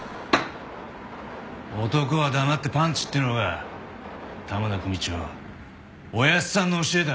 男は黙ってパンチっていうのが玉田組長おやっさんの教えだ。